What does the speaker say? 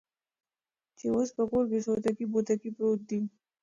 چې اوس په کور کې سوتکى بوتکى پروت دى.